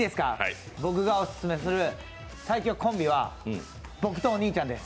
僕がオススメする最強コンビは僕とお兄ちゃんです。